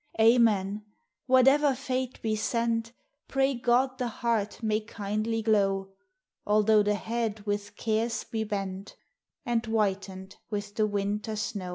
Amen !— whatever fate be sent, Pray God the heart may kindly glow, Although the head with cares be bent, And whitened with the winter snow.